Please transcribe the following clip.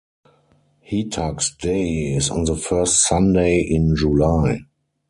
Hetag's Day is on the first Sunday in July.